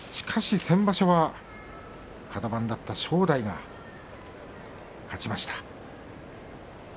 先場所はカド番だった正代が勝ちました。